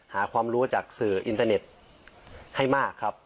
หาความรู้จากสื่ออินเตอร์เน็ตให้มากครับ